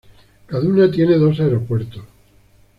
Kaduna tiene dos aeropuertos.